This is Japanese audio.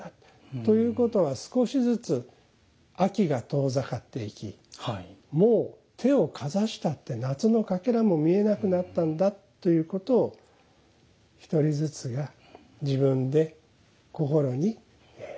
ということは少しずつ秋が遠ざかっていきもう手をかざしたって夏のかけらも見えなくなったんだということを一人ずつが自分で心に納得させていくそんな時節だと思って下さい。